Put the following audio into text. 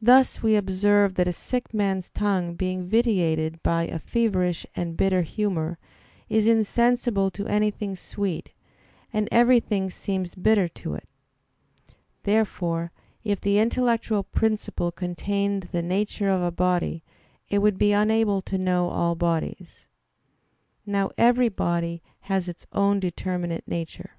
Thus we observe that a sick man's tongue being vitiated by a feverish and bitter humor, is insensible to anything sweet, and everything seems bitter to it. Therefore, if the intellectual principle contained the nature of a body it would be unable to know all bodies. Now every body has its own determinate nature.